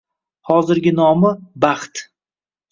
Hozirgi nomi: Baxt.